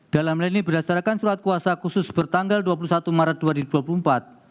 dalam hal ini berdasarkan surat kuasa khusus bertanggal dua puluh satu maret dua ribu dua puluh empat